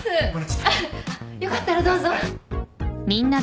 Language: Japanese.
あっよかったらどうぞ。